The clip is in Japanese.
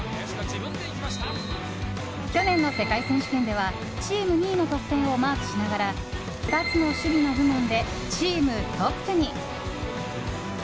去年の世界選手権ではチーム２位の得点をマークしながら２つの守備の部門でチームトップに。